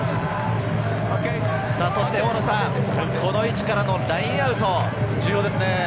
この位置からのラインアウト、重要ですね。